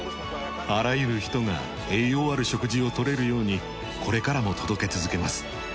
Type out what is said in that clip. あらゆる人が栄養ある食事を取れるようにこれからも届け続けます。